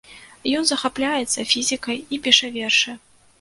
Ён захапляецца фізікай і піша вершы.